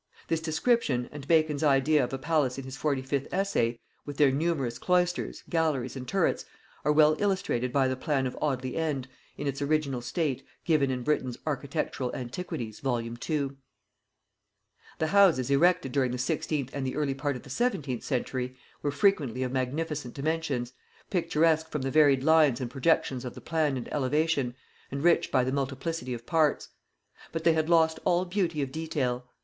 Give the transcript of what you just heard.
This description, and Bacon's idea of a palace in his 45th Essay, with their numerous cloisters, galleries and turrets, are well illustrated by the plan of Audley End, in its original state, given in Britton's Architectural Antiquities, vol. ii. [Note 151: Lysons's Environs of London, vol. iv.] The houses erected during the sixteenth and the early part of the seventeenth century were frequently of magnificent dimensions, picturesque from the varied lines and projections of the plan and elevation, and rich by the multiplicity of parts; but they had lost all beauty of detail.